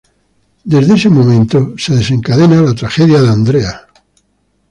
Desde ese momento se desencadena la tragedia de Andrea.